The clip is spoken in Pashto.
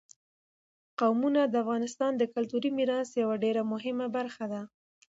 قومونه د افغانستان د کلتوري میراث یوه ډېره مهمه برخه ده.